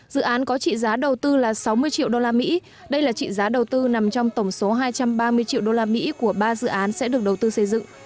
dự án có trị giá đầu tư là sáu mươi triệu usd đây là trị giá đầu tư nằm trong tổng số hai trăm ba mươi triệu đô la mỹ của ba dự án sẽ được đầu tư xây dựng